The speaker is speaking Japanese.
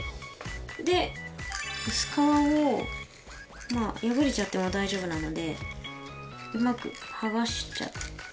で薄皮を破れちゃっても大丈夫なのでうまく剥がしちゃって。